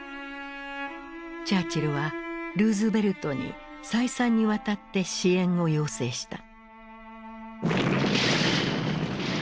チャーチルはルーズベルトに再三にわたって支援を要請した。